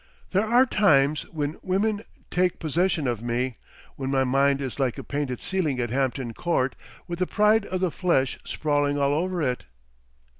There are times when women take possession of me, when my mind is like a painted ceiling at Hampton Court with the pride of the flesh sprawling all over it.